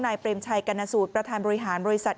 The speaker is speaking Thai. เปรมชัยกรณสูตรประธานบริหารบริษัท